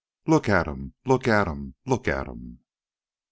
"Look at 'em! Look at 'em! Look at 'em!"